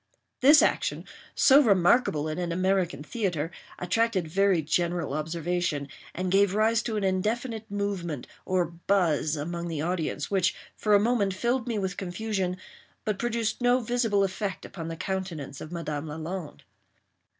This action, so remarkable in an American theatre, attracted very general observation, and gave rise to an indefinite movement, or buzz, among the audience, which for a moment filled me with confusion, but produced no visible effect upon the countenance of Madame Lalande.